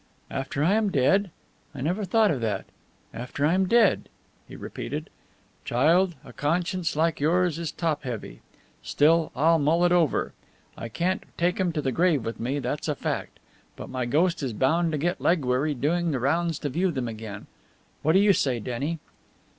"After I am dead? I never thought of that. After I'm dead," he repeated. "Child, a conscience like yours is top heavy. Still, I'll mull it over. I can't take 'em to the grave with me, that's a fact. But my ghost is bound to get leg weary doing the rounds to view them again. What do you say, Denny?"